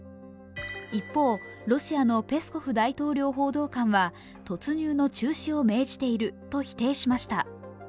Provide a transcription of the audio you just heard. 一方、ロシアのペスコフ大統領報道官は、突入の中止を命じていると否定しました。